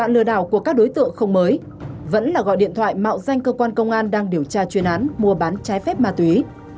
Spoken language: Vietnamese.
lừa đảo của các đối tượng không mới vẫn là gọi điện thoại mạo danh cơ quan công an đang điều tra chuyên án mua bán trái phép ma túy